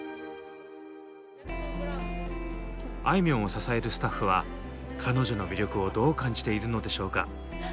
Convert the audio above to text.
あいみょんを支えるスタッフは彼女の魅力をどう感じているのでしょうか？